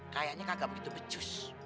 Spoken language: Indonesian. kayaknya gak begitu becus